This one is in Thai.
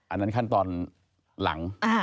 อันนั้นขั้นตอนหลัง